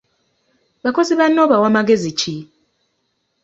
Bakozi banno obawa magezi ki?